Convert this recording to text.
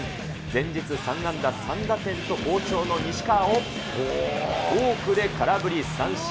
前日３安打３打点と好調の西川を、フォークで空振り三振。